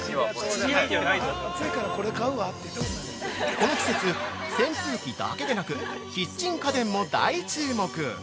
◆この季節、扇風機だけでなく、キッチン家電も大注目！